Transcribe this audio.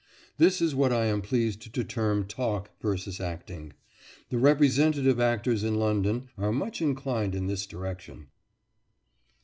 This is what I am pleased to term talk versus acting. The representative actors in London are much inclined in this direction.